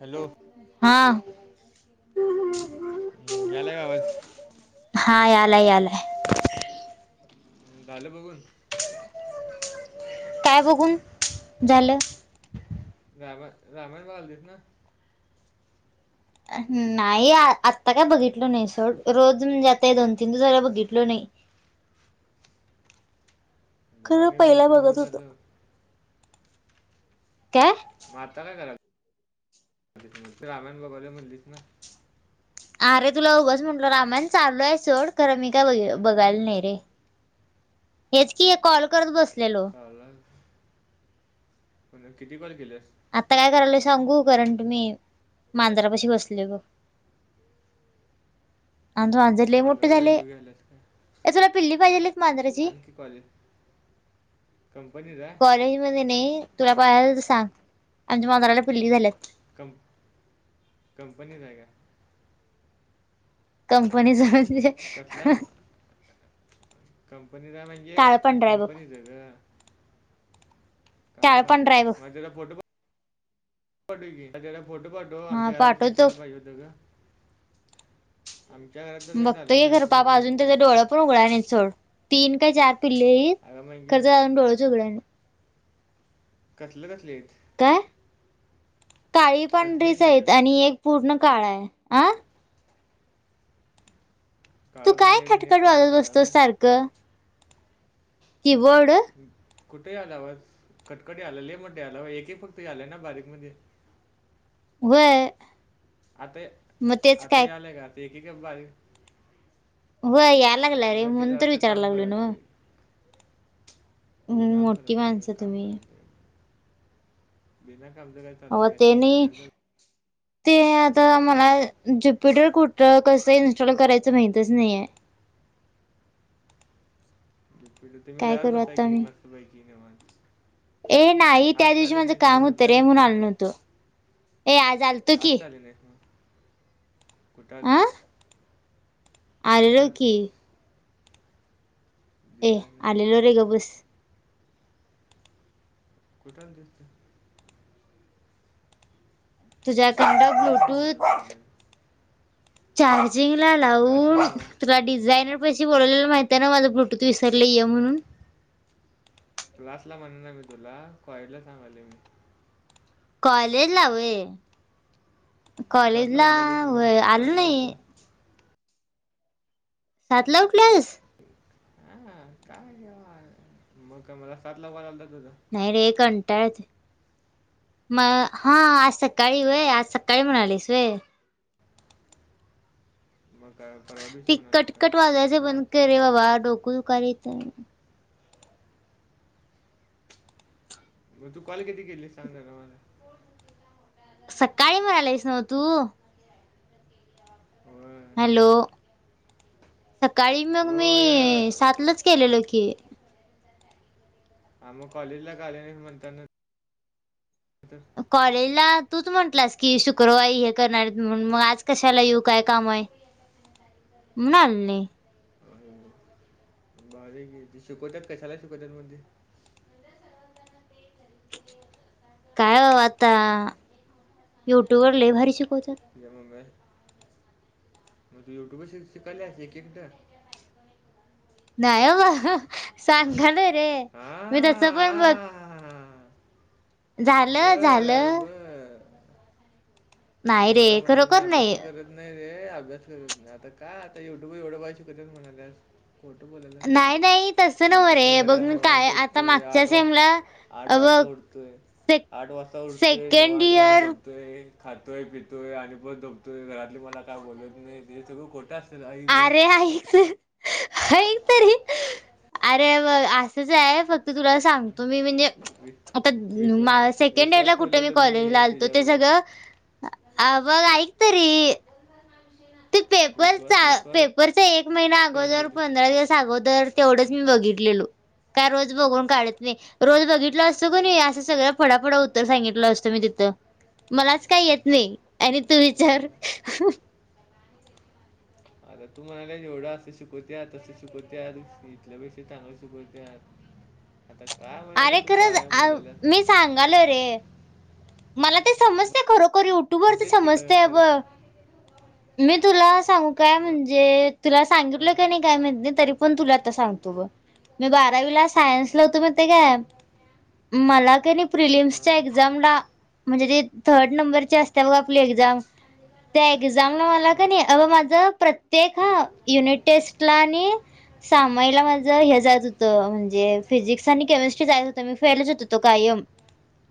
Hello, हा, हम्म, यालाय का आवाज. हा, याला याला. झालं बघून? काय बघून झालं? रामण रामाण बाल देत ना? नाही. आत्ता काय बघितल नाही सोड. रोज म्हणजे आता हे दोन तीन दिवस झाला बघितलो नाही. खरं मघाने दोन पहिला तीन बघत दिवस होतो झाल. काय? आत्ता काय कराय -रामायण [unintelligible] म्हणलीस ना? अरे तुला उगाच म्हटलो. रामायण चालू ए सोड. खरं मी काय बघ बघायला नाही रे. हेच की हे कॉल करत बसलेलो. [unintelligible] म्हणलं किती कॉल केलेस? आत्ता काय करायलेय सांगू करंट मी मांजरापाशी बसले बघ. आमचं मांजर लई मोठ्ठ मांजराचा झालय. जीव घ्यायलास का ए तुला पिल्ली पाहिजेल ए? मांजराची? आणखी कॉलेज कंपनीत आहे कॉलेज मध्ये नाही. तुला पाह्यजे तर सांग. आमच्या मांजराला पिल्ली झाल्यात. कम -कंपनीत आहे का? कंपनीच म्हणजे? कसला, कंपनीचा म्हणजे काळ पंढरा आहे बघ कंपनीच ग. काय काळ पंढरा आहे बघ [unintelligible] मझेला फोटो पाठव की. माझ्या हेला फोटो पाठव. -टो हा आमच्या राम पाठवतो सीटाला पाहिजे होत ग. आमच्या घरात तर काय चालत बघतोय नाही घर आमची [unintelligible] मम्मी अजून नको त्याच म्हणते हा डोळ पण उघडाय नाही सोड. तीन काय चार पिल्लेईत. अगं म्हणजे खरच अजून डोळ च उघडना. कसलं कसले हेत? काय? काळी कसली एक पांढरीच आहेत. कुत्री आणि एक पूर्ण काळा आहे. अ? तू काळं काय पांढरे आणि एक खटखट पूर्ण वाजवत काळं बसतोस व्हय. सारखं? कि बोर्ड? कुठे आला आवाज? खटखटी आलेले म [unintelligible] एकही फक्त आलंय ना बारीकमध्ये. व्हय. आता, मग तेच काय आताही आलाय का? आता एकी का बारी- व्हय यायला लागला रे अगं ते म्हणून तर जरासं विचारायला काम लागलो ना [unintelligible] काम मोठी करायलोय. माणसं काम तुम्ही करायलोय. बिना कामच - अ तेनी- ते आता चालवावं लागतं मला ज्युपिटर कुठं? कसं इन्स्टॉल करायचं? माहितच नाहीए. ज्युपिटर, काय करू तुम्ही [unintelligible] आता की मी? मस्त पैकी [unintelligible] ए नाही त्या आज का दिवशी आली माझं नाहीस काम आज होतं रे उठलेलीस म्हणून ना आलो नव्हतो. ए आज आलतो की. [unintelligible] कुट अ आलतीस? कुट आलेलो की आलतीस? ए दिसत आलेलो नाही रे गप बस. कुठं आलतीस तु? तुझ्याकंड दिसली नाही मला ब्लूटूथ- ट्रॉली चार्जिंग ला क्लासला लावून- नव्हा तुला डिझायनर पाशी बोलावलेला माहिती ए ना माझं ब्ल्यूटूथ विसरलंय म्हणून. क्लास ला म्हणना मी तुला. कॉलेजला सांगायलोय मी. कॉलेजला व्हय. सातला कॉलेजला उठलेलीस व्हय नव्हा आलो सातला नाही. उठून सातला उठलायस? हां. काय? म काय मला सातला कॉल आलता तुझा? नाही रे. कंटाळा येतोय. म हां आज सकाळी व्हय, आज सकाळी म्हणालीस व्हय. मग काय परवा दिवशी ती म्हणाले का कटकट वाजयच काय बंद असं कर काय रे म्हणाले बाबा, डोक दुखारें इथं म तू कॉल किती केलेस सांग जरा मला सकाळी म्हणालायस नव्ह तू होय हॅलो, सकाळी मग मी होय सातलाच केलेलो की हा म कॉलेज का आली नाहीस, म्हणतान [unintelligible] कॉलेजला तूच म्हंटलास की शुक्रवारी हे करणार येत म्हणून म आज कशाला येऊ काय काम हाय. म्हणून आले नाय. बारी गे शिकवत्यात कशाला शिकवत्यात म ते काय ओ आता युट्यूब वर लय भारी शिकवत्यात. [unintelligible] म तू युट्युबवर शि शिकायल्यास एक एकट नाय बाबा हा सांगलोय रे हा मी तस पण बघ झालं बर झालं. बर आणि नाही रे मला म्हणती मी खरोखर नाही अभ्यासच करत नाय रे अभ्यास करत नाय आता काय आता युट्यूबवर एवढं भारी शिकवतात म्हणाल्यास खोट बोयलाल्या नाही केवढं, नाही तसं नव्ह म्हणते मी रे बघ घरात निवांत काय आता झोपतोय मागच्या आठ वाज सेमला आठ अ वाजता बघ उठतोय. से आठ वाजता उठतोय. सेकंड निवांत पणे इयर झोप तोय. खातोय पितोय आणि परत झोपतोय. घरातले मला काय बोलत नाय हे सगळं खोटं अस अरे ऐक तर ऐक तरी अरे बघ असंच हाय, फक्त तुला सांगतो मी म्हणजे वि आता विश्वा मा सेकंड विश्वास इयरला कुठ मी ठेवलेलो कॉलेजला आलतो ते तुझ्यावर सगळं अ बघ ऐकतरी ते पेपरचा, विश्वास विश्वास पेपरचा एक महिना अगोदर गेलो पंधरा दिवस अगोदर तेवढंच मी बघितलेलो. काय रोज बघून काढत नाई रोज बघितलो असतं कणी, असं सगळं फडाफडा उत्तर सांगितलं असतो मी तिथं मलाच काय येत नाय आणि तू विचार आता तू म्हणाल्यास एवढं असं शिकवत्यात तंसं शिकवत्यात इथल्या पेक्षा चांगलं शिकवत्यात [unintelligible] आता काय अरे खरंच, आ व बोलायला मी सांगालो रे मला ते समजतय खरोखर मग युट्यूबवरच तेच की काय समजतय अब खरंच मी तुला सांगू काय हां म्हणजे, तुला सांगितलं क नाय काय माहिती तरी पण तुला आता सांग मी बारावीला सायन्सला होतो, माहितय काय मला कनी प्रिलिम्स हां एक्झामला म्हणजे ते थर्ड नंबरची असत्या बघ आपली एक्झाम त्या एक्झामला मला हां कनय अग माझ प्रत्येक ह युनिट टेस्टला आणि सामायला माझं हे जायत होतं. म्हणजे फिजिक्स आणि केमिस्ट्री जायत होत. मी फेलच होत तो कायम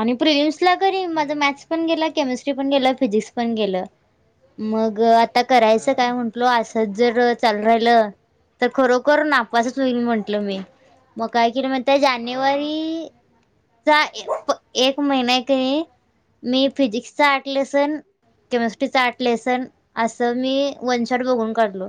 आणि प्रिलिम्सला तरी माझं हम्म. मॅथ्स पण गेलं, केमिस्ट्री पण गेलं. फिजिक्स पण गेलं. मग आता हा. करायचं काय म्हटलो, असंच जर चालू राहिलं तर खरोखर नापसच होईल म्हंटलं मी, म काय केल माहितीय हा. जानेवारीचा ए एक महिना ए ते मी फिजिक्सच आठ लेसन केमिस्ट्रीच आठ लेसन असं मी वनशॉट बघून काढलो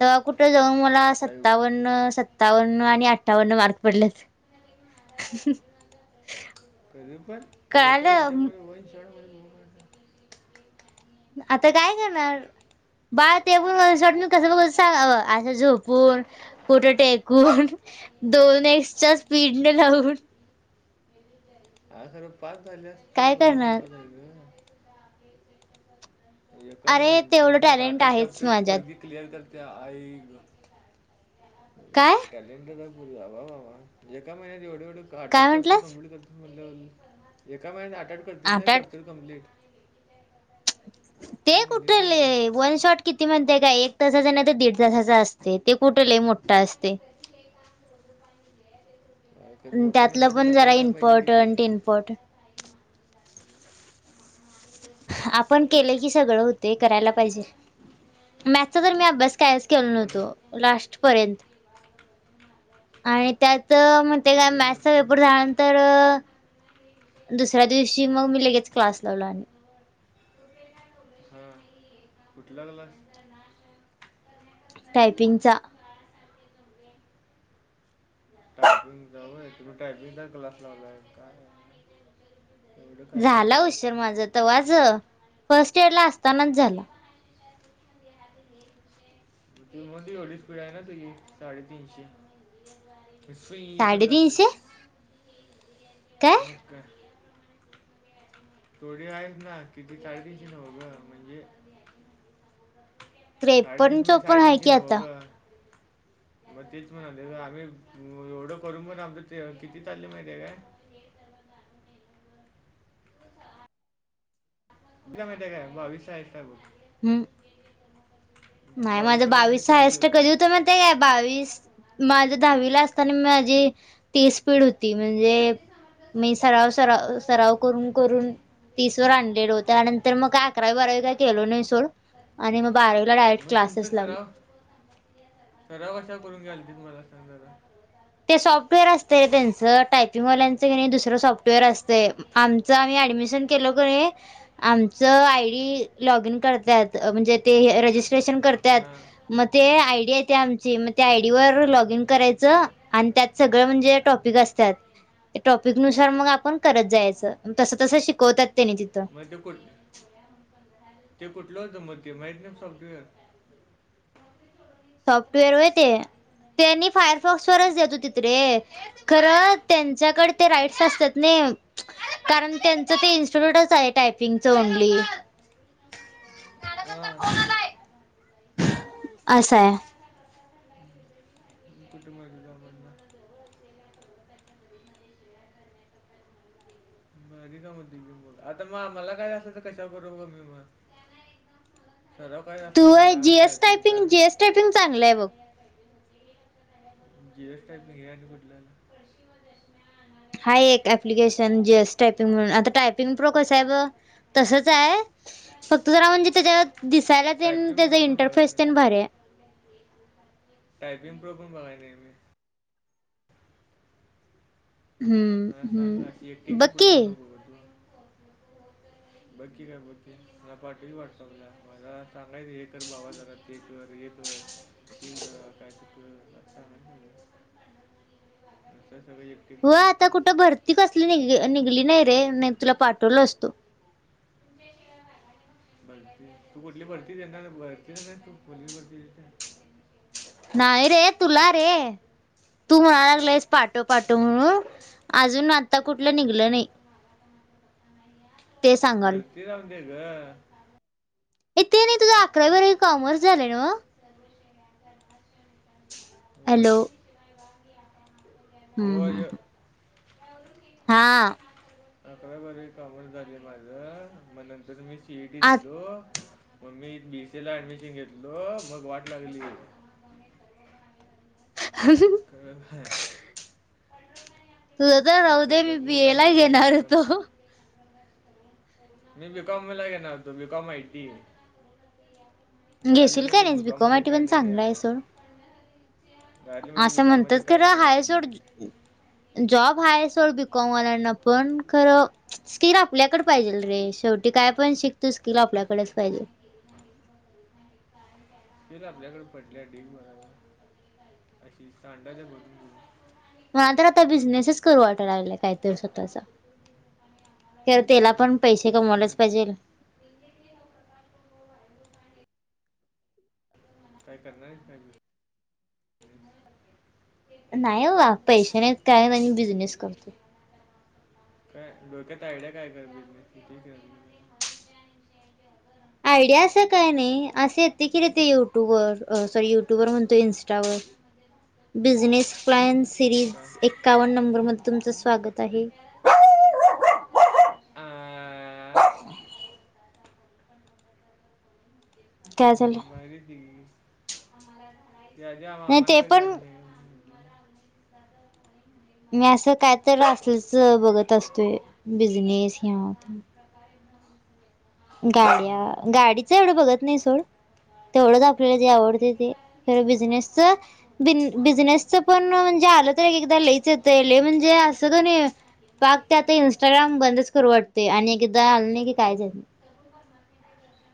तवा कुठं जाऊन मला अयो. सत्तावन्न- सत्तावन्न आणि अठ्ठावन्न मार्क पडल्यात ह आई शप्पत एका कळालं हेज्यामध्ये वनशॉट मध्ये [unintelligible] आता काय करणार बाळ ते पण वन शाॅट मी कसं बगत होतो सांग असं झोपून कुठ टेकून दोन एक्सच्या स्पीडने लावून आग खरं पास झाल्यास तू काय हे करणार? महत्वाच आहे ग एका अरे तेवढं महिन्यात टॅलेंट आठ-आठ आहेच चॅप्टर माझ्यात पुरगी क्लिअर करत्या आई गं काय [unintelligible] टॅलेंट हाय मग आ बा-बा एका महिन्यात एवढ-एवढ आठ काय -आठ चॅप्टर म्हंटलंस? कमप्लीट करत म्हल्यावर एका महिन्यात आठ -आठ करतीस ना आता चॅप्टर कम्प्लीट ते तू कुठ म्हणलीस ना आता लई वन शॉट किती म्हणजे काय एक तासाच नाही तर दीड तासाचा असतय ते कुठ लय मोठ असतय ह त्यातलं पण जरा इम्पॉर्टन्ट-इम्पॉर्टन्ट आपण केलं की सगळं होतय करायला पाहिजे मॅथ्स चा तर मी अभ्यास कायच केलो आम्हाला नव्हतो लास्टपर्यंत [inaudible] आणि त्यात मग ते काय केली नव्हती मॅथ्सचा ना. पेपर झाला तर दुसऱ्या दिवशी मग मी लगेच क्लास लावला आणि हम [inaudible] कुठला क्लास [unintelligible] टायपिंग चा टायपिंगचा होय तुम्ही टायपिंगचा क्लास लावला आहे काय एवढं काय-काय केलायसा तुम्ही भारी आहे फस्ट इयर ला असतानाच झाल [unintelligible] म तेंव्हा ची एवढी स्पीड आहे ना तुझी साडेतीनशे सुइं करत साडेतीनशे जातीस मग काय थोडी आहेत ना किती साडेतीनशे नव्ह गं म्हणजे साडे त्रेपन्न तीनशे म्हणजे साडे चोपन्न आहे तीनशे की नव्ह आता गं मग तेच म्हणालोय ग आम्ही एवढं करून पण आमच किती चाललय माहिती आहे काय. [unintelligible] किती आहेत माहितीय काय बावीस आहेत काय बग हम्म नाही माझं बावीसशे बघ मी बावीसच कधीच हायस्ट गेलो ना कधी होतं महीतीय काय माहितीय काय बावीस माझ दहावी ला असताना माझी तीस स्पीड होती म्हणजे मी सराव- सराव -सराव करून-करून तीस वर आणलेलो त्या नंतर मग अकरावी बारावी काय केलो नाही सोड आणि मग बारावीला डायरेक्ट तुमचा क्लासेस लावले सराव सराव कशावर करून घ्यालतीत मला सांग जरा ते सॉफ्टवेअर असतय त्यांचं टायपिंगवाल्याच कणी दुसरं सॉफ्टवेअर सॉफ्टवेअर असतय आमच आम्ही ऍडमिशन केलो कणी आमचं आय डी लॉगइन करत्यात म्हणजे ते रजिस्ट्रेशन करत्यात मग ते आय डी आहे ती आमची,, मग त्या आयडीवर लॉग इन करायचं आणि त्यात सगळं म्हणजे टॉपिक असत्यात. ते टॉपिक नुसार मग आपण करत जायाचं,, तसं तस शिकवतात त्यांनी तिथं मग ते कुठ, ते कुठलं होतं मग ते माहीत नाही सॉफ्टवेअर? सॉफ्टवेअर वय ते, त्यांनी फायरफॉक्स वरच देत हुतित रे. खरं त्यांच्याकडं ते राईटस असत्यात नाई. कारण त्यांचं ते इन्स्टिट्यूटच आहे टायपिंगच ओन्ली. हा. असंय. [unintelligible] कुठ मारगी का पनणार [unintelligible] मग कामत. [unintelligible] आता म मला काय असलं तर कशा करु मी मग, सराव पाहिजे असला तू मला जीएस टायपिंगचा. टायपिंग जीएस -टायपिंग चांगलंय बघ. जी एस टाईपिंग हे आणि कुठलं.? हाय एक ऍप्लिकेशन जी एस टायपिंग म्हणून,, आता टायपिंग प्रो कसं हाय ब,, तसंच हाय फक्त जरा म्हणजे त्याच्यात दिसायला तेन, टायपिंग त्याचा प्रो पण इंटरफेस बघायला तेन भारी आय. टायपिंग प्रो पण बघाय नाही मी. हम्म मला सांग अशी एकटी हम्म बघा की. [unintelligible] [inaudible] बकी काय बकी,, मला पाटव की वाट्सापला, मला सांगायच हे कर भावा, जरा हे कर ते कर, शिक जरा काय तर कर. [inaudible] [unintelligible] हो, आता करतीस कुठं भरती कसली निघ निघली नाही रे,, नाही तर तुला पाठवलं असतो. भरती, तू कुठली भरती देणार भरती देणार हाय तू कुठली, पोलीस भरती देणार नाही रे तुला रे. तू म्हणा लागलायस पाटव पाटव मला म्हणून,, अजून आता कुठलं निघलं नाही. ते सांगालोय. ते राहु देे गं ए ते नाही तुझं अकरावी बारावी कॉमर्स झालंय नवं. तर [unintelligible] त्यात काय हॅलो! होय. हां. खर बरं कामर्स झालय माझं,, मग नंतर मी सीईटी आता दिलो मग मी बीसी ला ऍडमिशन घेतलो,, मग वाट लागली. हहहह. खरंच हाय. तुझं तर राहू आता दे मी बी जगु ए का ला मरू घेणार होतो. मी बिकॉमला घेणार हुतो, बिकॉम आईटी. घरातली घेशील काय म्हणलीत नाहीस बीकॉम बिकॉममध्ये आयटी काय पण नाही चांगलं आहे याय. सोड असं म्हणत्यात दुकानामध्ये काय खरं नाही आहे हाय सोड म्हणले जॉब आहे सोड बी. कॉम वाल्यांना पण खरं स्किल आपल्याकडे पाहिजेल रे शेवटी काय पण शिक तू स्किल आपल्याकडेच पाहिजेल स्किल आपल्याकड पडल्या डीग भर हाय बघ अशी सांडाल्या भरून भरून. मला तर आता बिझनेसच करू वाटलाय लागलय काहीतरी स्वतःच खरं तेला पण बिझनेस पैसे बिझनेस काय कमवायलाच पाहिजेल करतेस हम काय करणार हायस काय तू नेमकं नाही बाबा पैसे नाहीत कायच आणि बिझनेस करतो काय डोक्यात आयडिया काय खरं बिजनेसची दे की जरा [inaudible] आयडिया असा काय नाही असं येतय कि रे ते यूट्यूब यट्यूवर सॉरी युट्युवर म्हणतो इंस्टा वर बिझनेस प्ल्यान्स सिरीज काय? एक्कावन्न नंबर मध्ये तुमचं स्वागत आहे हा [inaudible] काय झाल [unintelligible] [inaudible] नाही ते पण म राहूदे मी असं काय तर असच बघत असतोय बिझनेस यांव त्यांव तुला काय [inaudible] गाडया गाडीच एवढं बघत नाही सोड तेवढंच आपल्याला जे आवडतय ते खर बिझनेसच बीन बिझनेसच पण म्हणजे आलं तर एकएकदा लईच येतय लय म्हणजे असं कनय पाक त्यात इन्स्टाग्राम बंदच करू वाटतय आणि एकएकदा आल नाही की कायच येत नाय